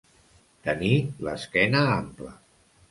Tenir l'esquena ampla.